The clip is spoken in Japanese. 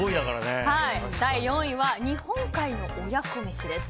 第４位は日本海の親子めしです。